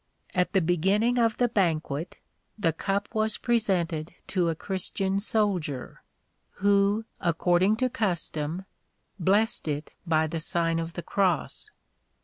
At the beginning of the banquet the cup was pre sented to a Christian soldier, who, according to custom, blessed it by the Sign of the Cross.